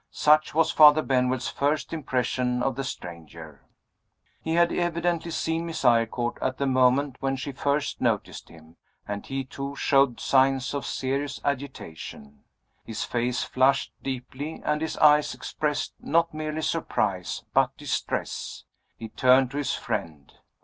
Such was Father Benwell's first impression of the stranger. He had evidently seen Miss Eyrecourt at the moment when she first noticed him; and he too showed signs of serious agitation. His face flushed deeply, and his eyes expressed, not merely surprise, but distress. He turned to his friend.